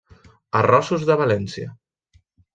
Arrossos de València.